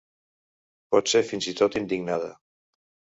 Potser fins i tot indignada.